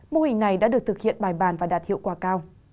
mô hình này đã được thực hiện bài bàn và đạt hiệu quả cao